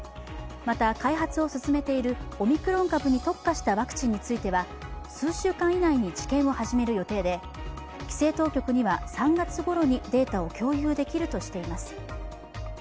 また、開発を進めているオミクロン株に特化したワクチンについては数週間以内に治験を始める予定で、規制当局には３月ごろにデータを共有できるとしています。